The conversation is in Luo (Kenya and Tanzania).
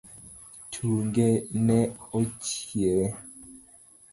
Tunge ne ochiewe.